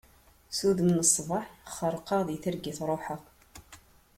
S udem n ṣṣbaḥ, xerqeɣ deg targit ṛuḥeɣ.